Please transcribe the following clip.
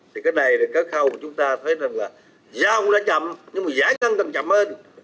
thì cái này là cái khâu chúng ta thấy rằng là giao cũng đã chậm nhưng mà giải ngân càng chậm hơn